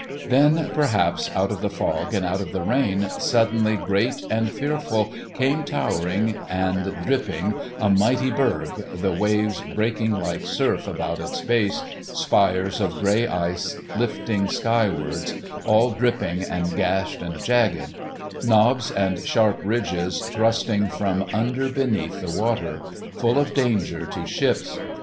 Then, perhaps, out of the fog and out of the rain, suddenly great and fearful came towering and dipping a mighty berg, the waves breaking like surf about its base, spires of grey ice lifting skywards, all dripping and gashed and jagged; knobs and sharp ridges thrusting from under beneath the water, full of danger to ships.